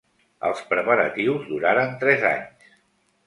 Els preparatius duraren tres anys.